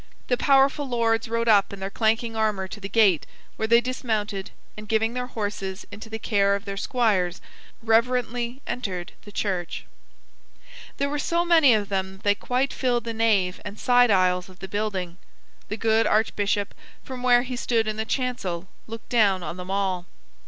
The powerful lords rode up in their clanking armor to the gate, where they dismounted, and giving their horses into the care of their squires, reverently entered the church. There were so many of them that they quite filled the nave and side aisles of the building. The good archbishop, from where he stood in the chancel, looked down on them all.